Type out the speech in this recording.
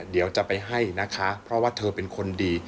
เดี๋ยวจะไปให้นะคะเพราะว่าเธอเป็นคนดี